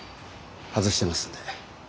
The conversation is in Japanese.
外してますんで。